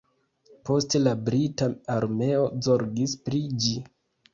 Poste la brita armeo zorgis pri ĝi.